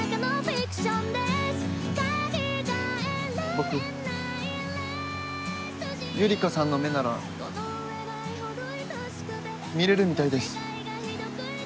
僕ゆりかさんの目なら見れるみたいです